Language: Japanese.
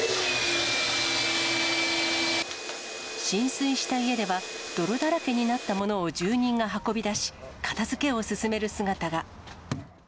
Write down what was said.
浸水した家では、泥だらけになったものを住人が運び出し、片づけを進める姿が。